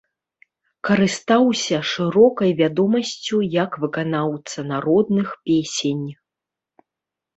Карыстаўся шырокай вядомасцю як выканаўца народных песень.